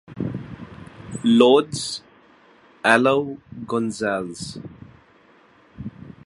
Lourdes "Alou" Gonzales.